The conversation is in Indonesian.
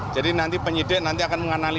jadi nanti penyidik akan mengenal